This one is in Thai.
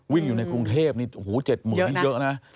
วิ่งอยู่ในกรุงเทพโอ้โห๗หมื่นนี่เยอะนะ